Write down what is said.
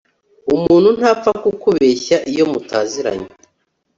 umuntu ntapfa kukubeshya iyo mutaziranye